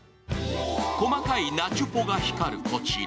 細かいナチュポが光るこちら。